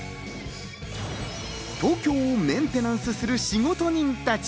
東京をメンテナンスする仕事人たち。